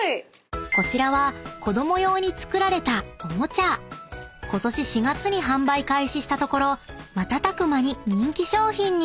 ［こちらは子供用に作られたおもちゃ］［ことし４月に販売開始したところ瞬く間に人気商品に］